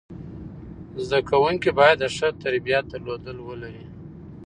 زده کوونکي باید د ښه تربیت درلودل ولري.